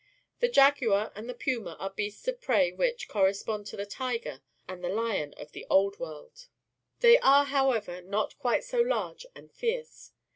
The jaguar and the pumti are beasts of prey BRAZIL 153 which, correspond to the tiger and the Hon of the Old World. They are, however, not quite so large and fierce.